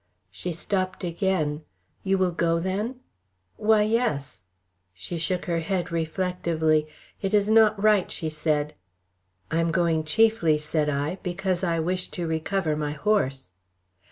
She stopped again. "You will go, then?" "Why, yes." She shook her head, reflectively. "It is not right," she said. "I am going chiefly," said I, "because I wish to recover my horse."